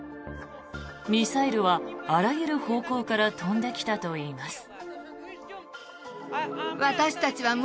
ミサイルはあらゆる方向から飛んできたといいます。